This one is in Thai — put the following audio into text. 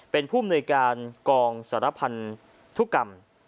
เป็นผู้ในกองสระพันธุกรรม